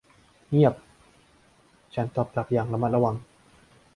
เงียบ ฉันตอบกลับอย่างระมัดระวัง